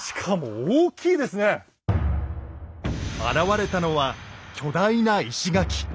現れたのは巨大な石垣。